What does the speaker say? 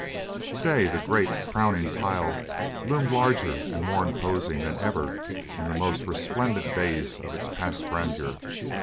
Today the great, frowning pile loomed larger and more imposing than ever in the most resplendent days of its past grandeur.